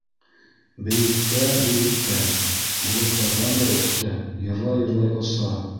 Бейектә, бейектә, болоттарҙан да өҫтә, йырлай-йырлай оса!